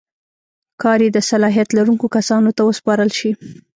کار یې د صلاحیت لرونکو کسانو ته وسپارل شي.